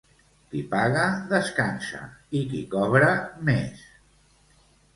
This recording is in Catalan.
Qui paga descansa i qui cobra més